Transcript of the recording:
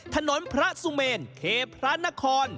ถนนพระสุเมนเคพระนคร